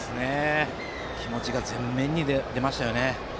気持ちが前面に出ましたね。